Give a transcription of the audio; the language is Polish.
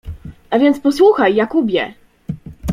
— A więc posłuchaj, Jakubie!